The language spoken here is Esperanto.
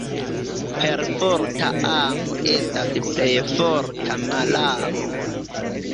Perforta amo estas plej forta malamo.